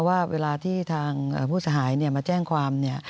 ว่าเวลาที่ทางผู้เสียหายมาแจ้งความ